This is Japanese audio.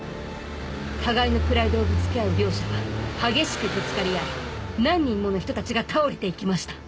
互いのプライドをぶつけ合う両者は激しくぶつかり合い何人もの人たちが倒れていきました。